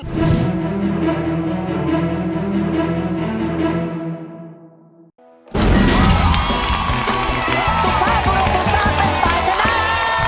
สุภาพุรธสุภาพเป็นฝ่ายชนะ